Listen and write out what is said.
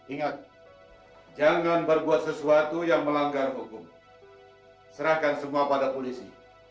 ingat jangan berbuat sesuatu yang melanggar hukum serahkan semua pada polisi